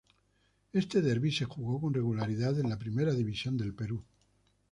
Este derby se jugó con regularidad en la Primera División del Perú.